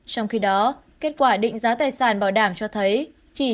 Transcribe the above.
trong khi đó kết quả định giá tài sản bảo đảm cho thấy chỉ